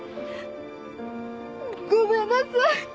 ごめんなさい。